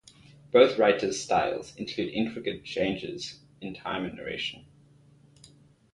Both writers' styles include intricate changes in time and narration.